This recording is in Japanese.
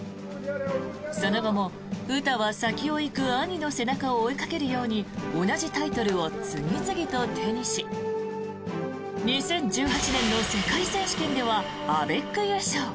その後も詩は先を行く兄の背中を追いかけるように同じタイトルを次々と手にし２０１８年の世界選手権ではアベック優勝。